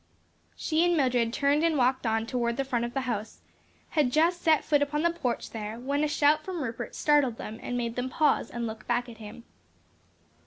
She and Mildred turned and walked on toward the front of the house, had just set foot upon the porch there, when a shout from Rupert startled them and made them pause and look back at him.